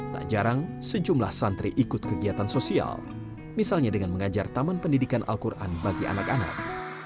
tak jarang sejumlah santri ikut kegiatan sosial misalnya dengan mengajar taman pendidikan al quran bagi anak anak